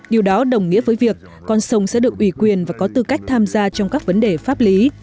điều đó đồng nghĩa với việc con sông sẽ được ủy quyền và có tư cách tham gia trong các vấn đề pháp lý